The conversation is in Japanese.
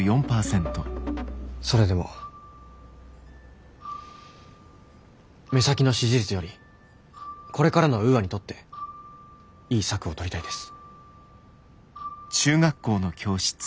それでも目先の支持率よりこれからのウーアにとっていい策を取りたいです。